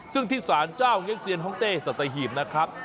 ซึ่งที่สานเจ้าเย็นเซียนฮองเจสัตยีหีอะบุ๊ยนะครับ